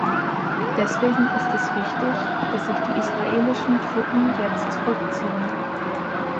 Deswegen ist es wichtig, dass sich die israelischen Truppen jetzt zurückziehen.